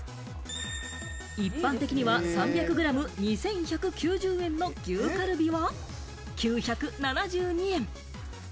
一般的には３００グラム２１９０円の牛カルビは９７２円。